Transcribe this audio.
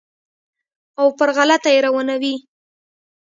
او پر غلطه یې روانوي.